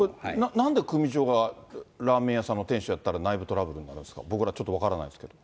なんで組長がラーメン屋さんの店主やったら、内部トラブルになるんですか、僕らちょっと分からないですけど。